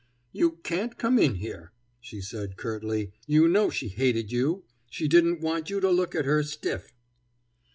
"You can't come in here," she said curtly. "You know she hated you. She didn't want you to look at her stiff."